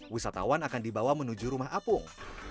wisatawan akan dibawa menuju rumah apung